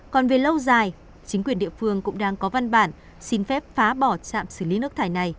còn về lâu dài chính quyền địa phương cũng đang có văn bản xin phép phá bỏ trạm xử lý nước thải này